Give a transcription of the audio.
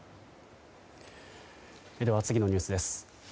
では次のニュースです。